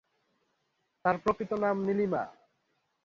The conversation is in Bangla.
তার প্রকৃত নাম নীলিমা।